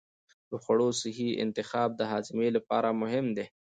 د خوړو صحي انتخاب د هاضمې لپاره مهم دی.